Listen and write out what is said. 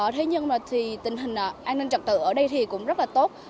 thế nhưng mà thì tình hình an ninh trật tự ở đây thì cũng rất là tốt